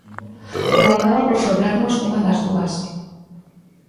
Ou acaba por sobrarnos unha das dúas.